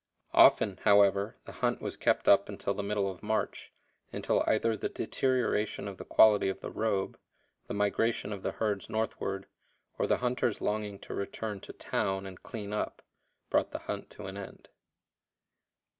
Often, however, the hunt was kept up until the middle of March, until either the deterioration of the quality of the robe, the migration of the herds northward, or the hunter's longing to return "to town" and "clean up," brought the hunt to an end.